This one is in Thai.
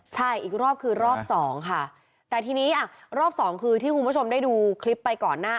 ใช่อีกรอบคือรอบสองค่ะแต่ทีนี้อ่ะรอบสองคือที่คุณผู้ชมได้ดูคลิปไปก่อนหน้า